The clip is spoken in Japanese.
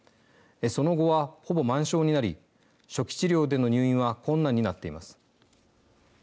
その後はほぼ満床になり初期治療での入院は困難になっています。